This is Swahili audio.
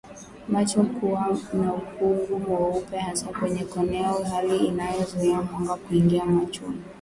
Macho kuwa na ukungu mweupe hasa kwenye konea hali inayozuia mwanga kuingia machoni